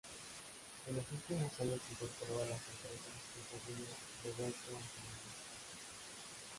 En los últimos años se incorporó a las empresas su sobrino Roberto Angelini.